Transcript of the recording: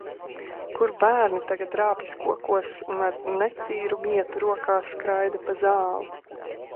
Kur bērni tagad rāpjas kokos un ar netīru mietu rokā skraida pa zāli.